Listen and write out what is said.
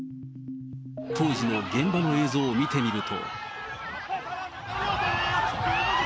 当時の現場の映像を見てみると。